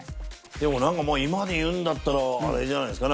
でも何かもう今でいうんだったらアレじゃないですか？